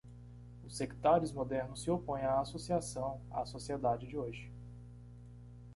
Os sectários modernos se opõem à associação à sociedade de hoje.